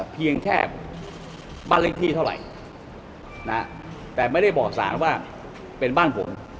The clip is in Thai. เพียงแค่บ้านเลขที่เท่าไหร่นะแต่ไม่ได้บอกสารว่าเป็นบ้านผม